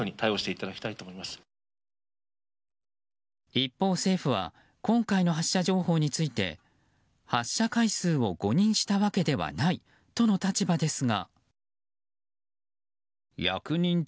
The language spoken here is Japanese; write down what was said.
一方、政府は今回の発射情報について発射回数を誤認したわけではないとの立場ですが。